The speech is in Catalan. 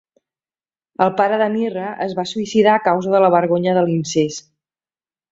El pare de Mirra es va suïcidar a causa de la vergonya de l'incest.